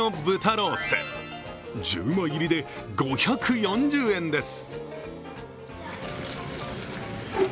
ロース１０枚入りで５４０円です。